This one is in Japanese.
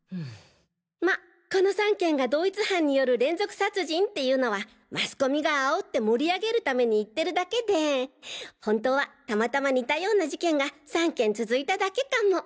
まあこの３件が同一犯による連続殺人っていうのはマスコミが煽って盛り上げるために言ってるだけで本当はたまたま似たような事件が３件続いただけかも。